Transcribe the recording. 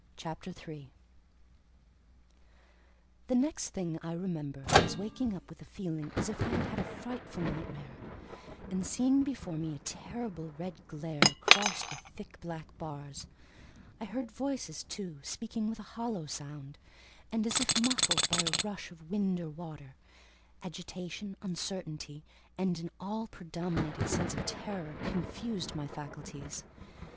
CHAPTER III The next thing I remember is, waking up with a feeling as if I had had a frightful nightmare, and seeing before me a terrible red glare, crossed with thick black bars. I heard voices, too, speaking with a hollow sound, and as if muffled by a rush of wind or water: agitation, uncertainty, and an all predominating sense of terror confused my faculties.